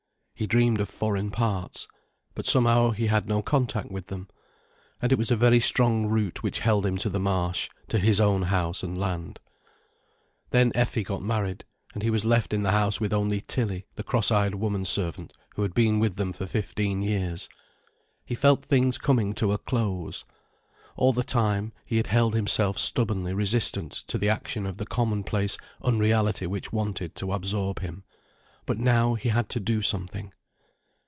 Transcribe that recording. He dreamed of foreign parts. But somehow he had no contact with them. And it was a very strong root which held him to the Marsh, to his own house and land. Then Effie got married, and he was left in the house with only Tilly, the cross eyed woman servant who had been with them for fifteen years. He felt things coming to a close. All the time, he had held himself stubbornly resistant to the action of the commonplace unreality which wanted to absorb him. But now he had to do something.